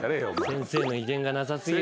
先生の威厳がなさ過ぎる。